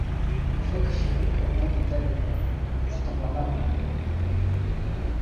Өфө кешеһе хеҙмәт итә белмәй, ҡуштанлана ғына белә.